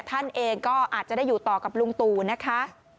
ท่านเองก็อาจจะได้อยู่ต่อกับลุงตู่นะคะ